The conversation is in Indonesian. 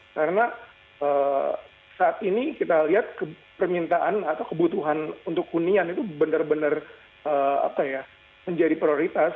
karena saat ini kita lihat permintaan atau kebutuhan untuk kunian itu benar benar menjadi prioritas